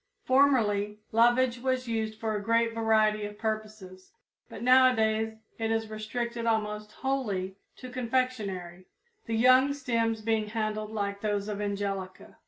Formerly lovage was used for a great variety of purposes, but nowadays it is restricted almost wholly to confectionery, the young stems being handled like those of Angelica.